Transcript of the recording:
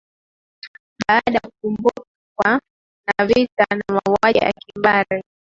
Baada ya kukumbwa na vita na mauaji ya kimbari